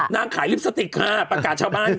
นางขายลิปสติกค่ะประกาศชาวบ้าน